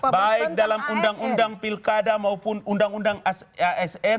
baik dalam undang undang pilkada maupun undang undang asn